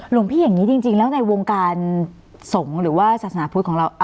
หลวงพี่อย่างนี้จริงแล้วในวงการสงฆ์หรือว่าศาสนาพุทธของเรา